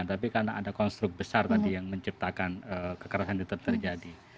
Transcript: tapi karena ada konstruk besar tadi yang menciptakan kekerasan tetap terjadi